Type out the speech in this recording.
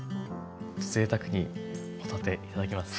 ぜいたくに帆立ていただきます。